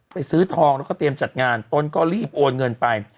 ซื้อทองแล้วก็เตรียมจัดงานตนก็รีบโอนเงินไป